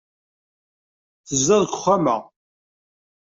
Tezdeɣ deg uxxam-a.